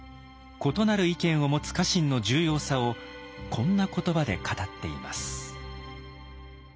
異なる意見を持つ家臣の重要さをこんな言葉で語っています。